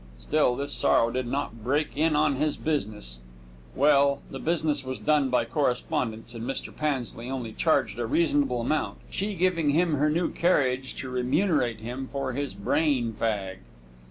Still this sorrow did not break in on his business. Well, the business was done by correspondence and Mr. Pansley only charged a reasonable amount, she giving him her new carriage to remunerate him for his brain fag.